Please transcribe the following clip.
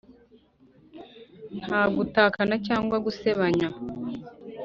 nta gutukana cyangwa gusebanya.